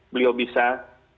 beliau bisa mengembangkan